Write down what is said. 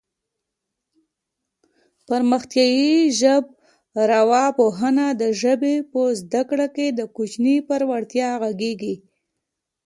پرمختیایي ژبارواپوهنه د ژبې په زده کړه کې د کوچني پر وړتیا غږېږي